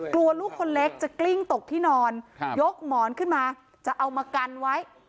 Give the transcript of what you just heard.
ลูกคนเล็กจะกลิ้งตกที่นอนยกหมอนขึ้นมาจะเอามากันไว้